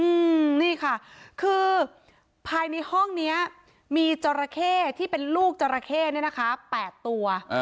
อืมนี่ค่ะคือภายในห้องเนี้ยมีจราเข้ที่เป็นลูกจราเข้เนี่ยนะคะแปดตัว